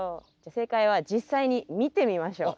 正解は実際に見てみましょう。